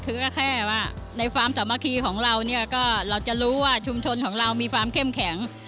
คือก็แค่ว่าในฟาร์มสามัคคีของเราเนี่ยก็เราจะรู้ว่าชุมชนของเรามีความเข้มแข็ง